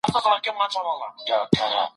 په پلي تګ کي هوا نه ککړېږي.